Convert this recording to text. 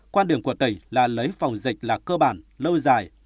quan điểm của tỉnh là lấy phòng dịch là cơ bản lâu dài